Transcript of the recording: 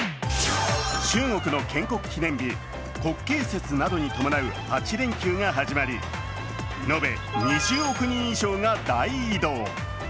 中国の建国記念日、国慶節などに伴う８連休が始まり述べ２０億人以上が大移動。